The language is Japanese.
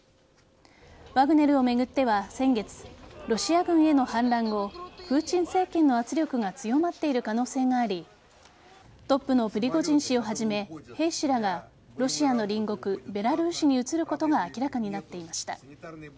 ワグネルを巡っては先月ロシア軍への反乱後プーチン政権の圧力が強まっている可能性がありトップのプリゴジン氏をはじめ兵士らがロシアの隣国・ベラルーシに移ることが明らかになっていました。